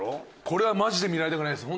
これはマジで見られたくないです。